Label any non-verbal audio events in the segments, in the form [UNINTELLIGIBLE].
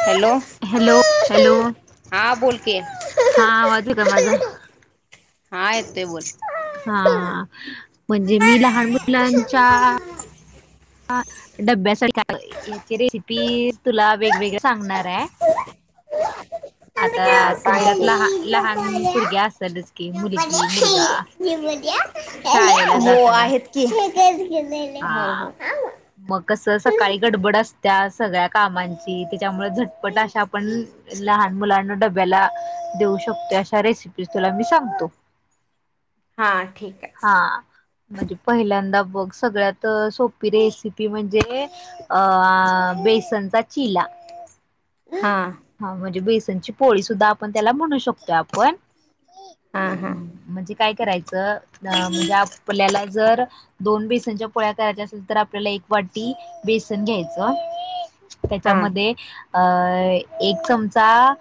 Hello hello hello हा बोल की हा आवाज होता माझा हा येत ते बोल हा म्हणजे मी लहान मुलांच्या हा डब्यासाठी याची रेसिपी तुला वेगवेगळ सांगणार आहे आता तुमच्यात लहान जोक लहान पोरग्या असेलच की जक मुलगी मुलगा शाळेला हो जाताना आहेत की हो हो मग कसं सकाळी गडबड असतस सगळ्या कामची त्याच्यामुळे झटपट अशा पण लहान मुलांना डब्याला देऊ शत अशा रेसिपी तुला मी सांगतो हा ठीक हा आहे म्हणजे पहिल्यांदा बघ सगळ्यात सोपी रेसिपी म्हणजे अ बेसनचा चिला हा हा म्हणजे बेसनची पोळी सुद्धा आपण त्याला म्हणू शकतो आपण हा हा म्हणजे काय करायचं म्हणजे आपल्याला जर दोन बेसनच्या पोळ्या करायच्या असेल तर आपल्याला एक वाटी बेसन घ्यायचं हा त्याच्यामध्ये अ एक चमचा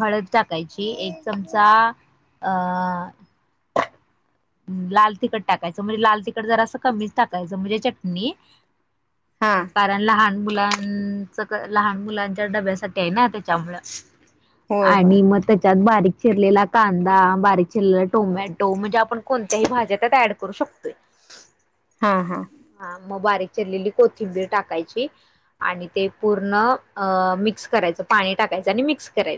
हळद टाकायची एक चमचा अं लाल तिखट टाकायचं म्हणजे लाल तिखट जरा असं कमीच टाकायचं म्हणजे चटणी हा कारण लहान मुलांच लहान मुलांच्या डब्यासाठी आहे ना त्याच्यामु होय होय आणि मग त्याच्यात बारीक चिरलेला कांदा बारीक शिरलेला टोमॅटो म्हणजे आपण कोणत्या भाज्या ऍड करू शकतो हा हा मग ब रलेली कोथिंबीर टाकायची आणि ते पूर्ण मिक्स करायच पाणी टाका म् कराय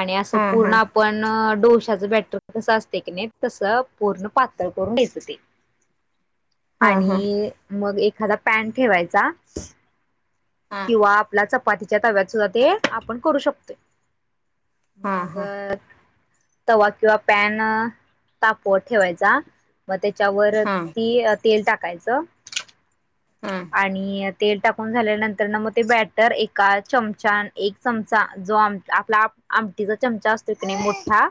आणि असं हा हा पूर्ण आपण डोशाचं बॅटर कसं असते की नाही तस पूर्ण पातळ करून घ्यायचं ते हा हा आणि मग एक एखादा पॅन ठेवायचा हा किंवा आपला च चपातीच्या तव्यात सुद्धा ते आपण करू शकतोय हा मग तवा किंवा पॅन तापवा ठेवायचा मग त्याच्यावर हा ती तेल टाकायचं हा आणि तेल टाकून झाल्यानंतर ना मग ते बॅटर एका चमचा एक चमचा जो आपला आमटीचा चमचा असतो क नाही मोठा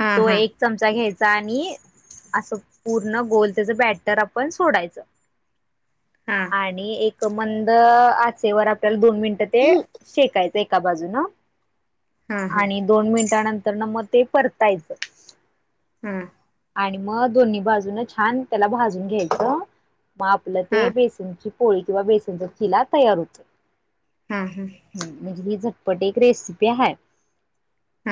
हा हा तमचा घ्यायचा आणि असं पूर्ण गोल त्याच बॅटर आपण सोडायचं हा आणि एक मंद आचेवर आपल्याला दोन मिनिटं ते शेकायचं एका बाजून हा हा हा आणि दोन मिनिट नंतर न मग ते परतायचं हम्म आणि मग दोन्ही बाजून छान त्याला भाजून घ्यायचं मग आपलं हा ते बेसनची पोळी किंवा बेसनचा खिला तयार होतो हा हा म्हणजे ह झटपट एक रेसिपी आहे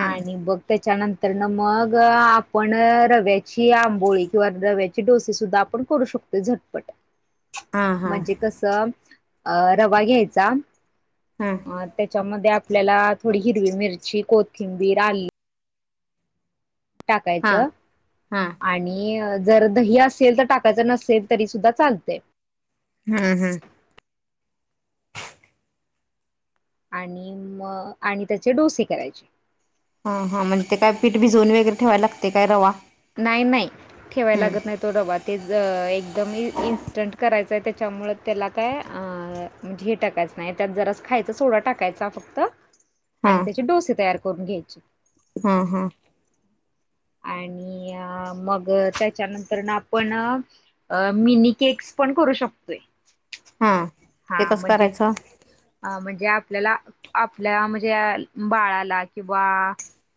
आणि बघ त्याच्यानंतर मग आपण रव्याची आंबोळी किंवा रव्याचे डोसे सुद्धा आपण करू शकतो झटपट हा म्हणजे कसं अ रवा घ्यायचा अ त्याच्यामध्ये आपल्याला थोडी हिरवी मिरची कोथिंबीर आली हा हा टाकायचं हा आणि जर दही असेल तर टाकायचं नसेल तरी सुद्धा चालते हम्म हम्म आणि म आणि त्याचे डोसे करायचे हा हा म्हणज ते काय पीठ भिजवून वगैरे ठेवायला लागते काय रवा नाही नाही ठेवाय हम्म लागत नाही तो डबा ते एकदम इन्स्टंट करायच त्याच्यामुळे त्याला काय म्हणजे हे टाकायचं नाही त्यात जरा खायचा सोडा टाकायचा फक्त हा आणि त्याचे डोसे तयार करून घ्यायचे हा हा आणि आणि मग त्याच्यानंतर ना आपण मिनी केक्स पण करू शकतोय ह हा ते हा कसं म्हणजे करायचं अ म्हणजे आपल्याला आपल्या म्हणजे बाळाला किंवा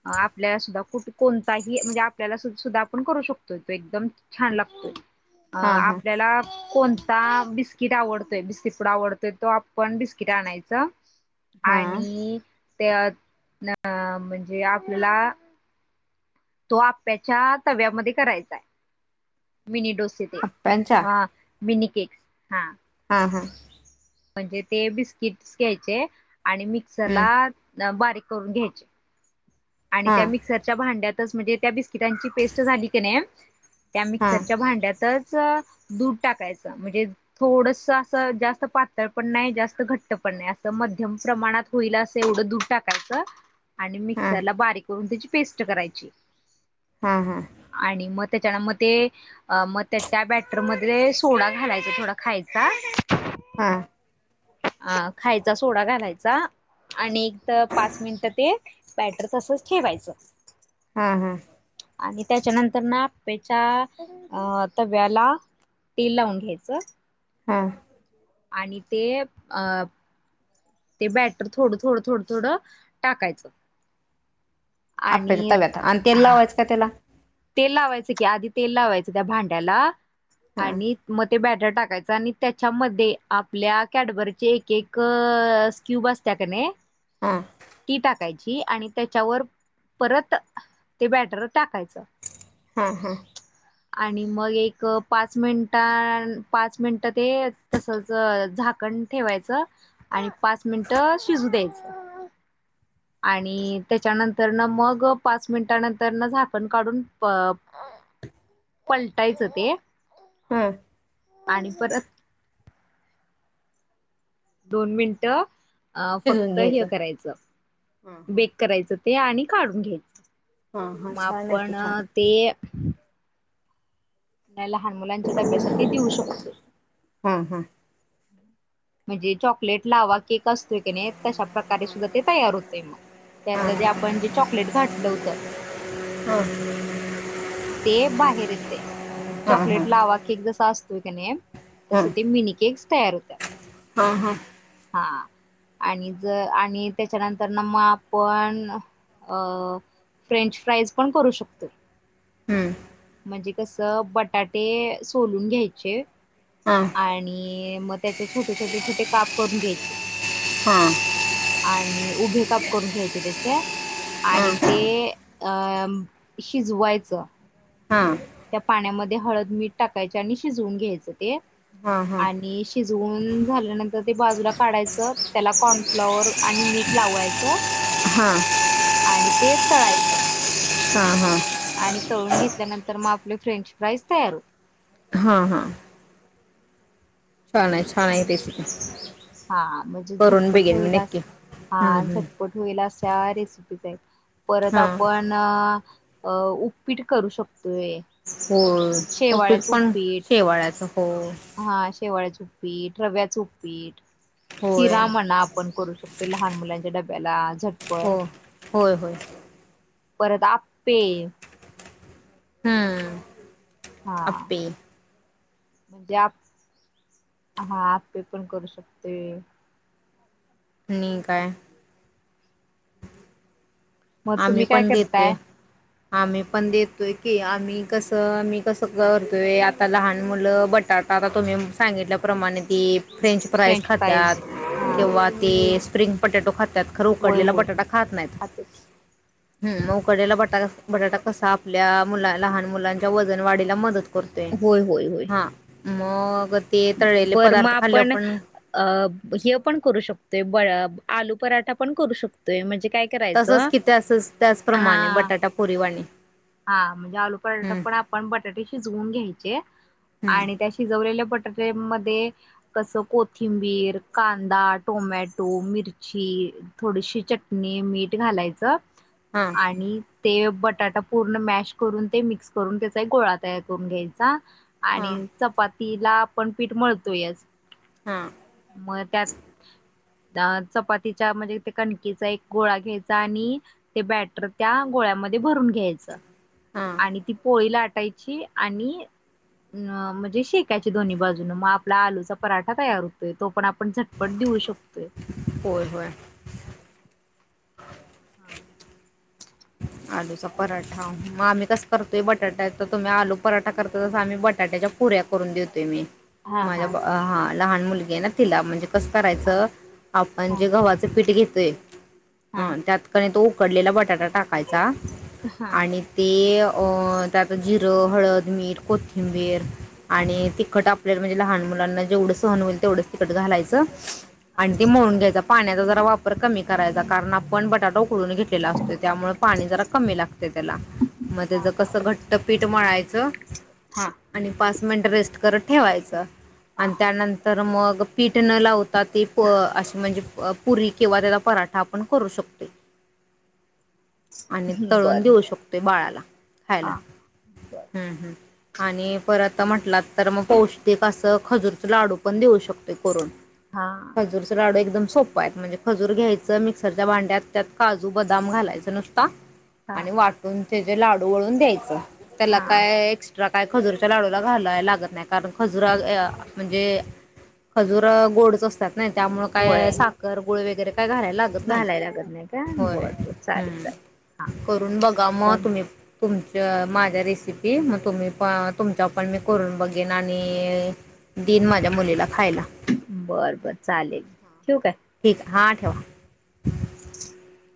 अ आपल्याला सुद्धा कु कोणताही म्हणजे आपल्याला सुद्धा आपण करू शकतोय तो एकदम छान लागतोय अ हा हा आपल्याला कोणता बिस्किट आवडतोय बिस्किट कड आवडतोय तो आपण बिस्किट आणायच हा आणि ते अ म्हणजे आपल्याला तो आप्याच्या तव्यामध्ये करायचा आहे मिनीडोस अप्प्यांच्या मिनी केेक्स हां ह हा म्हणजे ते बिस्किटस घ्यायचे आणि हम्म मिक्सरला बारीक करून घ्यायचे आणि हा त्या मिक्सरच्या भांड्यातच म्हणजे त्या बिस्किटांची पेस्ट झाली की नाही त्या हा हा मिक्सरच्या भांड्यातच दूध टाकायचं म्हणजे थोडस असं जास्त पातळ पण नाही जास्त घट्ट पण नाही अस तुमच्या मनात होईल एवढं धून टाकायचं आणि मग हा ला बारीक करून त्याची पेस्ट करायची हा हा आणि मग त्याच्यान मग ते मग त्या त्या बॅटरमध्येध सोडा घालायचा थोडा खायचा हा अ खायचा सोडा घालायचा आणि एक तर पाच मिनिटं ते बॅटर तसच ठेवायचं हा हा आणि त्याच्यानंतर ना आप्याच्या अता व्याला तेल लावून घ्यायचं हा आणि ते अ ते बॅटर थोडं थोडं थोडं थोडं टाकायचं आपे आणि तव्या आता आणि तेल लावायचं का त्याला तेल लावायचं की आधी तेल लावायचं त्या भांड्याला हा आणि मग ते बॅट टाकायचा आणि त्याच्यामध्ये आपल्या कॅडबरचे एक एक स्क्यूब असत का नाही हा की टा टय आणि त्याच्यावर परत ते बॅटर टाकायचं हा हा आणि मग एक पाच मिनट पाच मिनिट ते तसच झाकण ण ठेवायच आणि पाच मिनट शिजू द्यायचं आणि त्याच्यानंतर न मग पाच मिनिट नंतर न झाकण काढून अ पलटायचं ते हा पाणी परत दोन मिनिट अ शिजवून फक्त हे घ्यायचं करायचं हा हा बेक करायचं ते आणि काढून घ्यायचं हा हा मग छान आहे की आपण छान ते लहान मुलांच्या डब्यासाठी देऊ शकतो हा हा म्हणजे चॉकलेट लावा केक असतोय की नाही तशा प्र्रकारे सुद्धा ते तयार होतेय मग हा त्यातलं ते आपण जे चॉकलेट घातलं होतं हम ते बाहेर येते म्हणजे चॉकलेट लावा केक जसा असतोय क नाही तस हा ते मिनी केेक्स तयार होत्या हा हा हा आणि ज आणि त्याच्यानंतर ना मग आपण अ फ्रेंच फ्राईज पण करू शकतोय. हम्म म्हणजे कसं बटाटे सोलून घ्यायचे हा आणि मग त्याचे छोटे छोटे छोटे काप करून घ्यायचे. हा आणि उभे काप करून घ्यायचे त्याचे हा आणि ते अं शिजवायचं हा त्या पाण्यामध्ये हळद मीठ टाकायचे आणि शिजवून घ्यायचं ते हा हा आणि शि वून झाल्यानंतर ते बाजूला काढायचं त्याला कॉर्नफ्लॉवर आणि मीठ लावायचं. हा आणि ते तळायचं आणि तळून घेतल्यानंतर मग आपले फ्रेंच फ्राईज तयार होत. हां हां रेसिपी हा म्हणजे करून झटपट बघेन होईल मी हा नक्की हम्म आणि हम्म झटपट होईल अशा रेसिपी परत हा आपण उपीट करू शकतोय हो पीट शेवाळ्याचं पण उपीट शेवाळ्याचं हो हा शेवाळ्याच पीठ रव्याचं पीठ होय शिरा म्हणा आपण करू शकतो ते लहान मुलांच्या डब्याला हो झटपट होय होय. परत आप्पे. हम्म हा आप्पे म्हणजे आप हा आप्पे पण करू शकतय. नी काय मग आम्ही तुम्ही काय पण देतोय करताय आम्ही पण देतोय की आम्ही कसं आम्ही कसं करतोय आता लहान मुलं बटाट आता तुम्ही सांगितल्याप्रमाणे ती फ्रेंच फ्राईज फ्राईज खात्यात हा किंवा ते स्प्रिंग पटॅटो खात्या त्यात खरं होय उकडलेला होय बटाटा खात नाहीत. खातो की हम मग उकडलेला बाट बटाटा कसा आपल्या मुला लहान मुलांच्या वजन वाढीला मदत तर तर हा मग ते तळलेले बरं मं पदार्थ खाल्ले आपण पण अ हे पण करू शकतोय ब आलू पराठा पण करू शकतोय म्हणजे काय तसच करायचं की ती असचं त्याचप्रमाणे हा बटाटा पुरी वानी हा म्हणजे आलू बटाटा पण आपण बटाटे शिजवून घ्यायचे. हम्म आणि त्या शिजवलेल्या पट मध्ये कस कोथिंबीर, कांदा, टोमॅटो, मिरची थोडीशी चटणी, मीठ घालायचं हां आणि ते बटाटा पूर्ण मॅश करून ते मिक्स करून त्याचा एक गोळा तयार करून घ्यायचा. हां आणि चपातीला आपण पीठ मळतो याचं हां म त्यात अ चपातीच्या म्हणजे ते कणकीचा एक गोळा घ्यायचा आणि ते बॅटर त्या गोळ्याम मध्ये भरून घ्यायच हां आणि ती पोळी लाटायची आणि अ म्हणजे शेकायची दोन्ही बाजून मग आपला आलूचा पराठा तयार होतोय तो पण आप पण झटपट देऊ शकतोय. होय होय हा आलूचा पराठा मग आम्ही कस करतोय बटाट्याचा तुम्ही आलू पराठा करता तस आम्ही बटाट्याच्या पु ऱ्या करून देतोय मी हा माझ्या हा लहान मुलगी हाय णा तिला म्हणजे कस हा करायचं आपण हा जे गव्हाचं पीठ घेतोय हा ह त्यात कनाय तो उकडलेला बटाटा टाकायचा हा आणि ते अ त्यात जि र, हळद, मीठ, कोथंबीर आणि तिखट आपल्या म्हणजे लहान मुलांना जेवढ सहन होईल तेवढंच तिकट घालायचं, आणि ते म्हळून घ्यायचा पाण्याचा जरा वापर कमी करायचा, कारण आपण बटाटा उकडून घेतलेला असतो, त्या पाणी जरा कमी लागते त्याला, मग हा त्याच कसं घट्ट पीठ मळायचं. आणि पाच मिनट रेस्ट करत ठेवायचं, हा आणि हा. त्यानंतर मग पीठ न लावता, ते म्हणजे पुरी किंवा त्याचा पराठा आपण करू शकतोय. [UNINTELLIGIBLE] आणि हम्म, तळून बर देऊ बर शकतोय बाळाला, खायला. हा बर हम्म हम्म, आणि परत म्हटलात तर मग पौष्टिक असं, खजूरच लाडू पण देऊ शकतोय. हा खजूर चे लाडू एकदम सोपं आहेत, म्हणजे खजूर घ्यायचं मिक्सरच्या भांड्यात त्यात काजू बदाम घालायचं नुसता, हा आणि वाटून त्या जे लाडू वळून द्यायच त्याला हा काय एक्स्ट्रा काय खजूरच्या लाडूला घालला लागत नाय कारण खजुरा म्हणजे खजूर गोडच असत्यात नाय त्यामुळ होय काय साखर गुळ वगैरे काय घरायला लागत नाही घालायला लागत नाही का होय बर बर चालेल हम्म चालेल हा करून बघा, म तर तुम्ही तुमच्या माझ्या रेसिपी, मग तुम्ही पण, तुमच्या पण मी करून बघेन, आणि दिन माझ्या मुलीला खायला. बर बर चालेल ठेवू काय. ठीक. हा ठेवा. [UNINTELLIGIBLE]